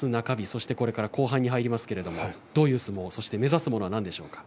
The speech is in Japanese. それから後半に入りますけれどもどういう相撲、そして目指すものは何でしょうか。